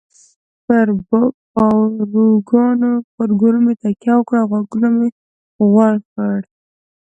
پر پاروګانو مې تکیه وکړه او غوږونه مې غوړ کړل.